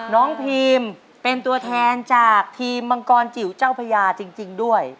พีมเป็นตัวแทนจากทีมมังกรจิ๋วเจ้าพญาจริงด้วย